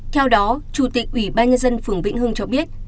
theo đó chủ tịch ủy ban nhân dân phường vĩnh hưng cho biết